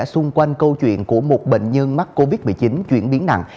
xung quanh câu chuyện của một bệnh nhân mắc covid một mươi chín chuyển biến nặng